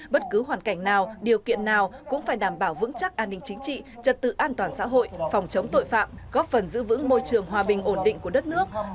bất cứ hoàn cảnh nào điều kiện nào cũng phải đảm bảo vững chắc an ninh chính trị trật tự an toàn xã hội phòng chống tội phạm góp phần giữ vững môi trường hòa bình ổn định của đất nước